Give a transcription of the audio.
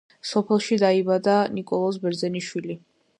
სოფელში დაიბადა ნიკოლოზ ბერძენიშვილი.